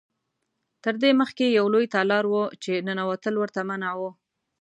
تر دې مخکې یو لوی تالار و چې ننوتل ورته منع و.